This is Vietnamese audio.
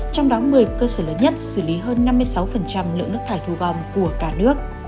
trong đó một mươi cơ sở lớn nhất xử lý hơn năm mươi sáu lượng nước thải thu gom của cả nước